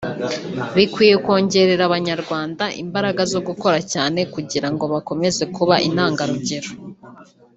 bikwiye kongerera Abanyarwanda imbaraga zo gukora cyane kugira ngo bakomeze kuba intangarugero